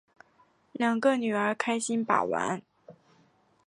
两个女儿开心把玩